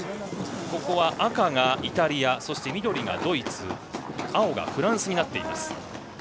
ここは赤がイタリア、緑がドイツ青がフランスになっています。